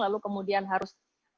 lalu kemudian harus